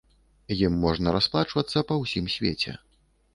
Ім можна расплачвацца па ўсім свеце.